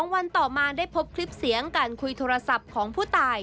วันต่อมาได้พบคลิปเสียงการคุยโทรศัพท์ของผู้ตาย